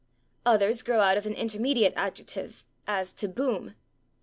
Others grow out of an intermediate adjective, as /to boom